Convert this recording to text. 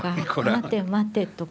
待て待て。